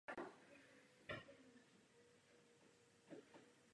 Toto je seznam neoficiálních klonů.